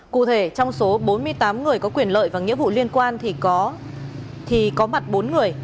cụ thể trong số bốn mươi tám người có quyền lợi và nghĩa vụ liên quan thì có mặt bốn người